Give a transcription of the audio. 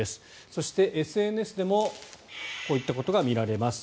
そして、ＳＮＳでもこういったことが見られます。